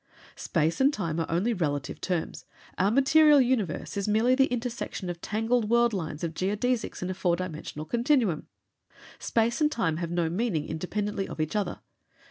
"Space and time are only relative terms. Our material universe is merely the intersection of tangled world lines of geodesics in a four dimensional continuum. Space and time have no meaning independently of each other.